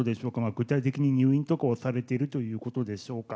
具体的に入院とかされているということでしょうか。